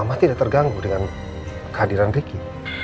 mama tidak terganggu dengan kehadiran riki